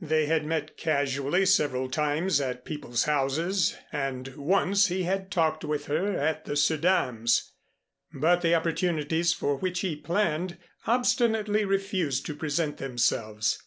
They had met casually several times at people's houses and once he had talked with her at the Suydam's, but the opportunities for which he planned obstinately refused to present themselves.